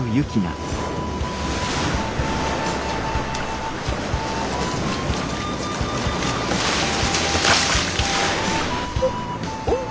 あっ。